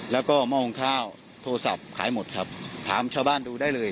แล้วก็หม้อหุงข้าวโทรศัพท์ขายหมดครับถามชาวบ้านดูได้เลย